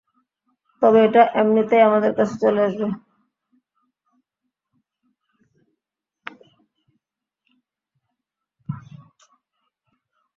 তবে এটা এমনিতেই আমাদের কাছে চলে আসবে।